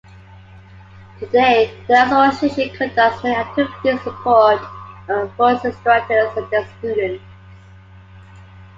Today, the Association conducts many activities in support of forensics directors and their students.